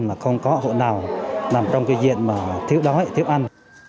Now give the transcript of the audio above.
mà không có hộ nào nằm trong cái diện mà thiếu đói thiếu ăn